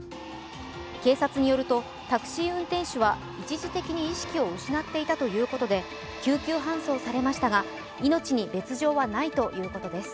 警察によるとタクシー運転手は一時的に意識を失っていたということで救急搬送されましたが命に別状はないということです。